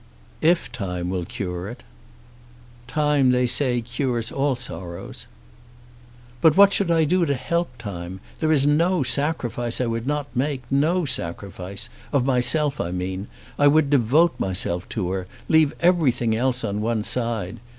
"If time will cure it." "Time, they say, cures all sorrows." "But what should I do to help time? There is no sacrifice I would not make, no sacrifice! Of myself I mean. I would devote myself to her, leave everything else on one side.